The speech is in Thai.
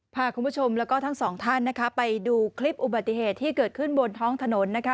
พาคุณผู้ชมแล้วก็ทั้งสองท่านนะคะไปดูคลิปอุบัติเหตุที่เกิดขึ้นบนท้องถนนนะคะ